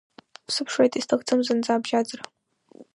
Сыԥшуеит, исҭахым зынӡа абжьаӡра!